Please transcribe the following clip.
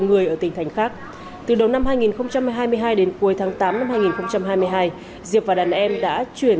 người ở tỉnh thành khác từ đầu năm hai nghìn hai mươi hai đến cuối tháng tám năm hai nghìn hai mươi hai diệp và đàn em đã chuyển